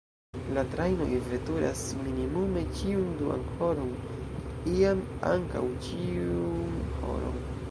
La trajnoj veturas minimume ĉiun duan horon, iam ankaŭ ĉiun horon.